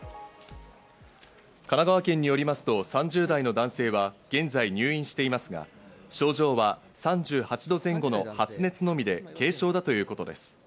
神奈川県によりますと３０代の男性は現在、入院していますが、症状は３８度前後の発熱のみで軽症だということです。